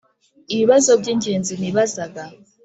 ibibazo by ingenzi nibazaga